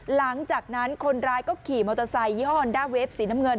หลังจากนั้นคนร้ายก็ขี่มอเตอร์ไซคยี่ห้อนด้าเวฟสีน้ำเงิน